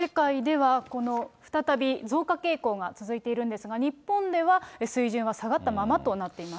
世界では、この、再び増加傾向が続いているんですが、日本では水準は下がったままとなっています。